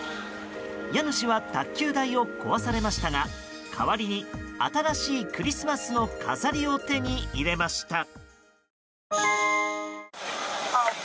家主は卓球台を壊されましたが代わりに新しいクリスマスの飾りを手に入れました。